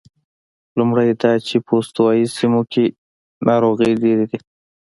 لومړی دا چې په استوایي سیمو کې ناروغۍ ډېرې دي.